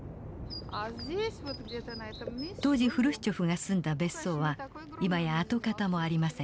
当時フルシチョフが住んだ別荘は今や跡形もありません。